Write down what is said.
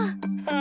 あ。